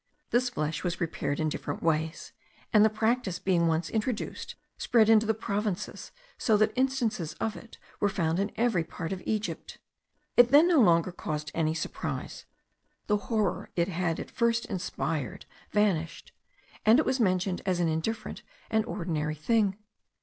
This flesh was prepared in different ways, and the practice being once introduced, spread into the provinces, so that instances of it were found in every part of Egypt. It then no longer caused any surprise; the horror it had at first inspired vanished; and it was mentioned as an indifferent and ordinary thing.